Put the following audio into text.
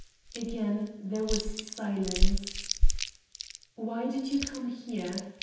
Again there was silence. "Why did you come here?"